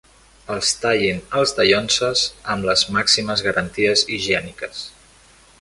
Els tallin els dallonses amb les màximes garanties higièniques.